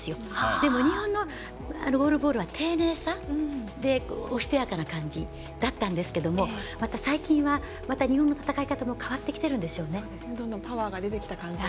でも日本のゴールボールは丁寧さでおしとやかな感じだったんですけどまた最近は日本の戦い方も変わってきているんでしょうね。